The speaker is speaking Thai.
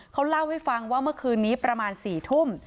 เขาเล่าให้ฟังว่าเมื่อคืนนี้ประมาณ๔ทุ่ม